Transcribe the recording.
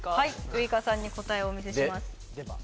ウイカさんに答えをお見せします・出刃？